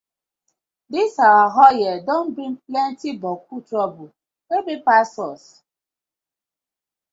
Dis our oil don bring plenti boku toruble wey big pass us.